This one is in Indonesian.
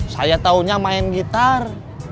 saya taunya main gitar